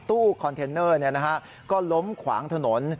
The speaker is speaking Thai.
ตู้คอนเทนเนอร์ก็ล้มขวางถนน